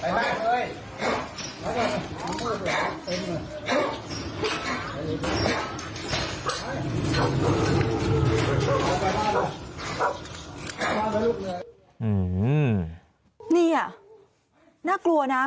อื้อหือนี่อ่ะน่ากลัวนะ